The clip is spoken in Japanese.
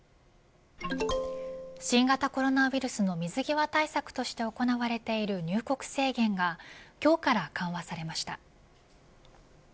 新型コロナウイルスの水際対策として行われている入国制限が今日から緩和されました。